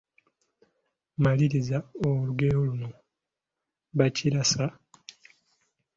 Maliriza olugero luno: Bakiraasa, …..